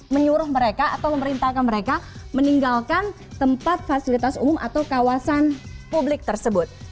menyuruh mereka atau memerintahkan mereka meninggalkan tempat fasilitas umum atau kawasan publik tersebut